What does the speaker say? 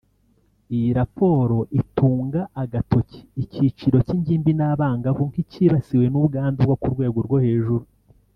Iyi raporo itunga agatoki icyiciro cy’ingimbi n’abangavu nk’icyibasiwe n’ubwandu bwo ku rwego rwo hejuru